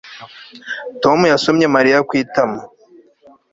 Tom yasomye Mariya ku itama